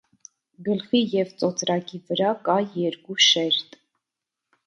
Գլխի և ծոծրակի վրա կա երկու շերտ։